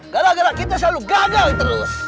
gara gara kita selalu gagal terus